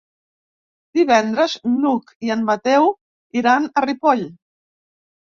Divendres n'Hug i en Mateu iran a Ripoll.